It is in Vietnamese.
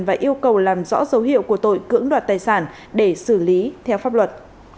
và yêu cầu làm rõ dấu hiệu của tội cưỡng đoạt tài sản để xử lý theo pháp luật